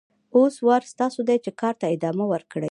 اوس وار ستاسو دی چې کار ته ادامه ورکړئ.